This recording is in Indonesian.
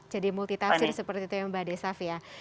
jadi multitasir seperti itu ya mbak desaf ya